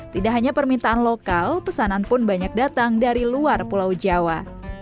tidak hanya permintaan lokal pesanan pun banyak datang dari luar pulau jawa